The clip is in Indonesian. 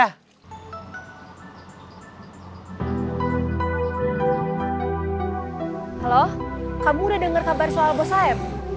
halo kamu udah denger kabar soal bos saeb